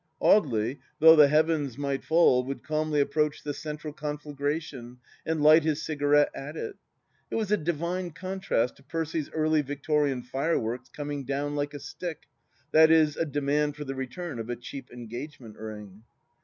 Audely, though the heavens might fall, would calmly approach the central conflagration and light his cigarette at it. It was a divine contrast to Percy's Early Victorian fireworks coming down like a stick, i.e. a demand for the return of a cheap engagement ring.